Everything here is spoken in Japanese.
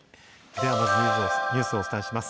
ではまず、ニュースをお伝えします。